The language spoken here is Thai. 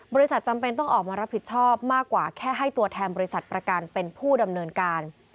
จำเป็นต้องออกมารับผิดชอบมากกว่าแค่ให้ตัวแทนบริษัทประกันเป็นผู้ดำเนินการ